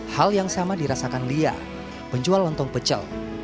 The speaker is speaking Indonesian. hal yang sama dirasakan lia penjual lontong pecel